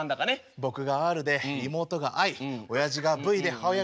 僕がＲで妹がＩおやじがＶで母親が。